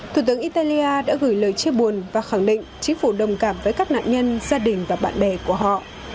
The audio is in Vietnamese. thủ tướng italia đã gửi lời chia buồn và khẳng định chính phủ đồng cảm với các nạn nhân gia đình và bạn bè của họ